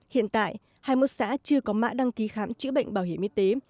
hiện tại hai mươi một xã chưa có mã đăng ký khám chữa bệnh bảo hiểm y tế